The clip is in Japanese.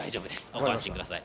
ご安心ください。